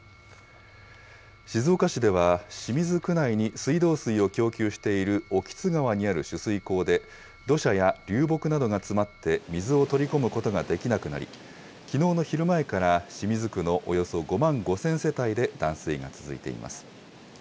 静岡市では、清水区内に水道水を供給している興津川にある取水口で、土砂や流木などが詰まって水を取り込むことができなくなり、きのうの昼前から清水区のおよそ５万５０００世帯で断水が続いています。